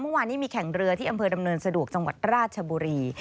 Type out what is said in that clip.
เมื่อวานนี้มีแข่งเรือที่อำเภอดำเนินสะดวกจังหวัดราชบุรี